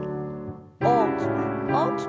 大きく大きく。